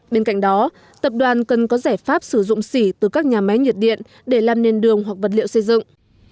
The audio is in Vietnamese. bên cạnh đó tập đoàn cần có giải pháp sử dụng xỉ từ các nhà máy nhiệt điện để làm nền đường hoặc vật liệu xây dựng